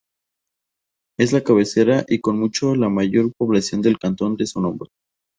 Es la cabecera y -con mucho- la mayor población del cantón de su nombre.